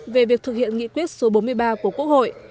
về việc thực hiện nghị quyết số bốn mươi ba của quốc hội